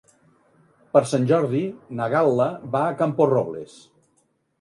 Per Sant Jordi na Gal·la va a Camporrobles.